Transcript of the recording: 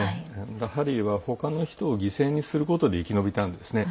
ハリーは、他の人を犠牲にすることで生き延びたんですね。